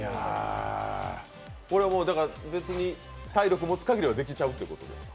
これ、別に体力もつ限りはできちゃうってことですか。